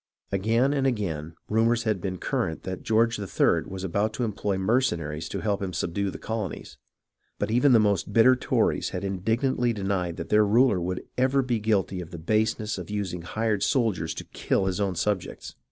Again and again rumours had been current that George III. was about to employ mercenaries to help him subdue the colonies, but even the most bitter Tories had indig nantly denied that their ruler would ever be guilty of the INDEPENDENCE 87 baseness of using hired soldiers to kill his own subjects.